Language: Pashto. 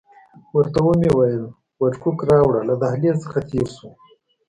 ورته ومې ویل وډکوک راوړه، له دهلیز څخه تېر شوو.